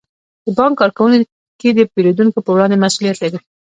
د بانک کارکوونکي د پیرودونکو په وړاندې مسئولیت لري.